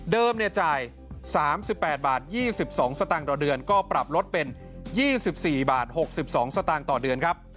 จ่าย๓๘บาท๒๒สตางค์ต่อเดือนก็ปรับลดเป็น๒๔บาท๖๒สตางค์ต่อเดือนครับ